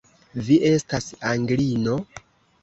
Vi estas Anglino?